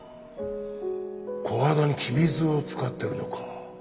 コハダにきび酢を使ってるのか。